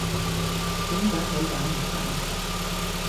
點解好揀唔揀